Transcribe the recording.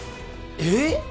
えっ！？